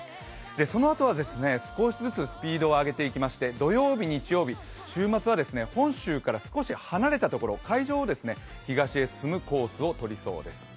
そのあとは少しずつスピードを上げていきまして土曜日、日曜日、週末は本州から少し離れたところ海上を東へ進むコースを取りそうです。